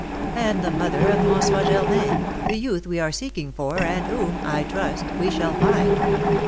"And the mother of François Germain, the youth we are seeking for, and whom, I trust, we shall find."